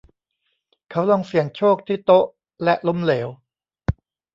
เขาลองเสี่ยงโชคที่โต๊ะและล้มเหลว